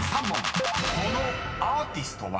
［このアーティストは？］